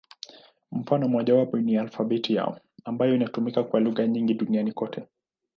Mfano mmojawapo ni alfabeti yao, ambayo inatumika kwa lugha nyingi duniani kote.